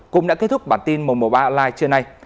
cũng đã kết thúc bản tin một trăm một mươi ba online trưa nay